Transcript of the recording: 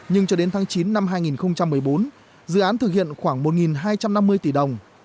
nhưng cho đến tháng chín năm hai nghìn một mươi bốn dự án thực hiện khoảng một hai trăm năm mươi tỷ đồng